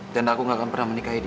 dan aku gak akan pernah menikahi dia